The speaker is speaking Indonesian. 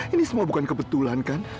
ini semua bukan kebetulan kan